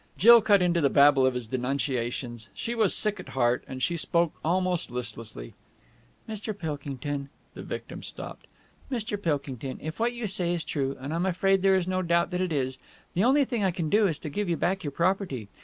Jill cut into the babble of his denunciations. She was sick at heart, and she spoke almost listlessly. "Mr. Pilkington!" The victim stopped. "Mr. Pilkington, if what you say is true, and I'm afraid there is no doubt that it is, the only thing I can do is to give you back your property.